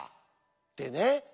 ってね。